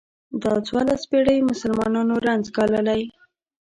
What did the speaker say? دا څوارلس پېړۍ مسلمانانو رنځ ګاللی.